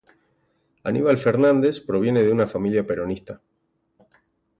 Aníbal Fernández proviene de una familia peronista.